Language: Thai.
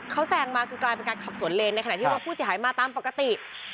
เขาแสงมาคือกลายเป็นกันขับสวนเลสกับพ่อที่ถามปกติ